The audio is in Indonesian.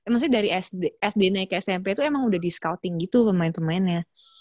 maksudnya dari sd naik ke smp itu emang udah di scouting gitu pemain pemainnya